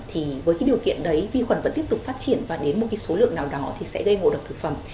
thì với cái điều kiện đấy vi khuẩn vẫn tiếp tục phát triển và đến một số lượng nào đó thì sẽ gây ngộ độc thực phẩm